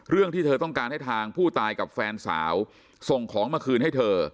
เรื่องที่เธอต้องการให้ทางผู้ตายกับแฟนสาวส่งของมาคืนให้เธอ